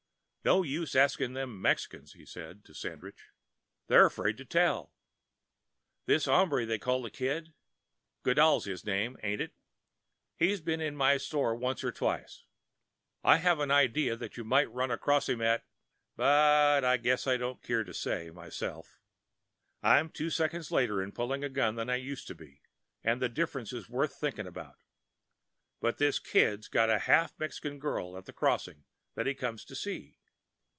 "No use to ask them Mexicans," he said to Sandridge. "They're afraid to tell. This hombre they call the Kid—Goodall is his name, ain't it?—he's been in my store once or twice. I have an idea you might run across him at—but I guess I don't keer to say, myself. I'm two seconds later in pulling a gun than I used to be, and the difference is worth thinking about. But this Kid's got a half Mexican girl at the Crossing that he comes to see.